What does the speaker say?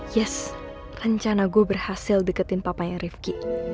yes rencana gue berhasil deketin papanya rifqi